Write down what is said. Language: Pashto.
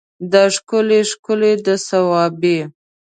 دا ښکلي ښکلي د صوابی